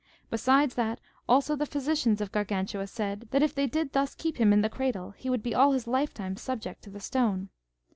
Besides that also the physicians of Gargantua said that, if they did thus keep him in the cradle, he would be all his lifetime subject to the stone.